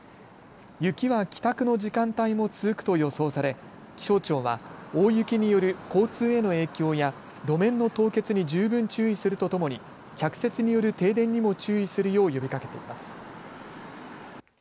雪は帰宅の時間帯も続くと予想され気象庁は大雪による交通への影響や路面の凍結に十分注意するとともに着雪による停電にも注意するよう呼びかけています。